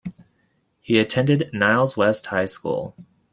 He attended Niles West high school.